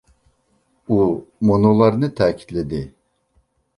ئۇ مۇنۇلارنى تەكىتلىدى.